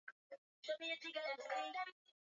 anced diet ili uweze kukuwa